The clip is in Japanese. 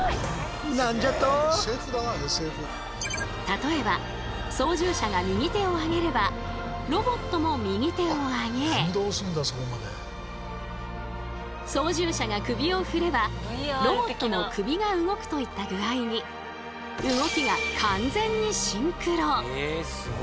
例えば操縦者が右手を上げればロボットも右手を上げ操縦者が首を振ればロボットも首が動くといった具合に動きが完全にシンクロ。